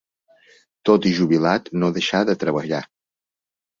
Tot i jubilat, no deixà de treballar.